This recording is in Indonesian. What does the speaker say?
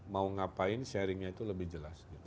mau ngapain sharingnya itu lebih jelas gitu